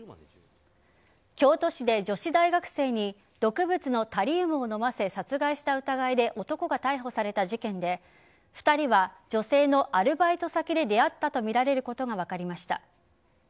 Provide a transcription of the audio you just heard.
京都市で、女子大学生に毒物のタリウムを飲ませ殺害した疑いで男が逮捕された事件で２人は女性のアルバイト先で出会ったとみられることが分かりました。